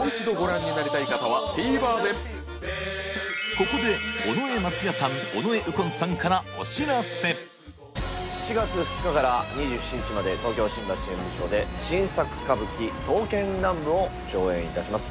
ここで７月２日から２７日まで東京新橋演舞場で新作歌舞伎「刀剣乱舞」を上演いたします